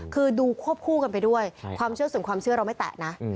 คือดูควบคู่กันไปด้วยความเชื่อส่วนความเชื่อเราไม่แตะนะ